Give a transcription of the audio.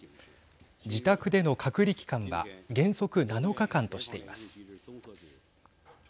自宅での隔離期間は原則７日間としています。